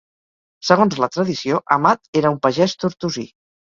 Segons la tradició, Amat era un pagès tortosí.